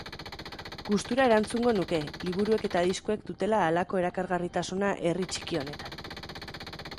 Gustura erantzungo nuke, liburuek eta diskoek dutela halako erakargarritasuna herri txiki honetan.